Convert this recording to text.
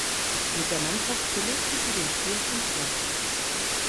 Mit der Mannschaft belegte sie den vierten Platz.